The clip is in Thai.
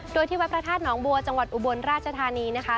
โดยที่วัดพระธาตุหนองบัวจังหวัดอุบลราชธานีนะคะ